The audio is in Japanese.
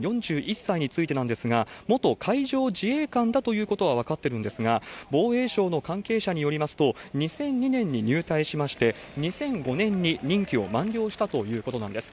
４１歳についてなんですが、元海上自衛官だということは分かってるんですが、防衛省の関係者によりますと、２００２年に入隊しまして、２００５年に任期を満了したということなんです。